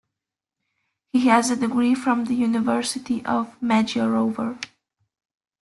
He has a degree from the University of Magyarovar.